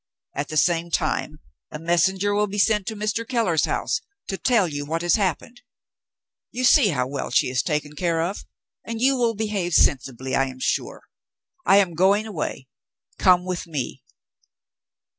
At the same time, a messenger will be sent to Mr. Keller's house to tell you what has happened. You see how well she is taken care of and you will behave sensibly, I am sure? I am going away. Come with me."